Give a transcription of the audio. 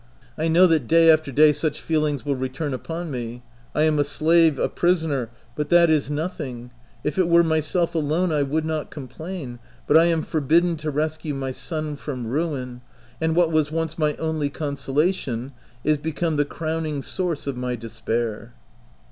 I know that day after day such feelings will return upon me : I am a slave a prisoner — but that is nothing ; if it were myself alone, I would not complain, but I am forbidden to rescue my son from ruin, and what was once my only consolation, is become the crowning source of my despair.